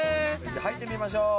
じゃあ入ってみましょう。